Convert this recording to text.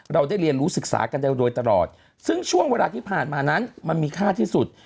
เราได้เรียนรู้ศึกษากันได้โดยตลอดซึ่งช่วงเวลาที่ผ่านมานั้นมันมีค่าที่สุด